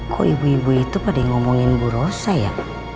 kok ibu ibu itu pada ngomongin bu rosa ya